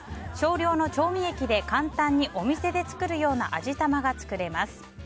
少量の調味液で、簡単にお店で作るような味玉が作れます。